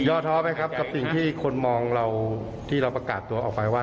ท้อไหมครับกับสิ่งที่คนมองเราที่เราประกาศตัวออกไปว่า